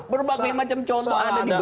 berbagai macam contoh ada di